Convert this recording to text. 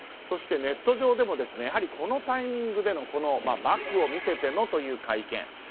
そして、ネット上でもこのタイミングでバッグを見せてのという会見。